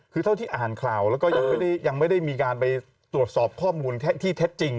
คือเท่าที่อ่านข่าวแล้วก็ยังไม่ได้มีการไปตรวจสอบข้อมูลที่เท็จจริง